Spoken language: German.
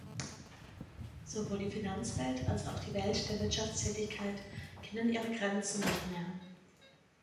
Sowohl die Finanzwelt als auch die Welt der Wirtschaftstätigkeit kennen ihre Grenzen nicht mehr.